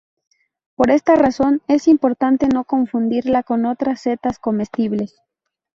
Por esta razón es importante no confundirla con otras setas comestibles.